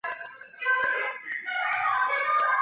姚李遗址的历史年代为新石器时代至青铜时代。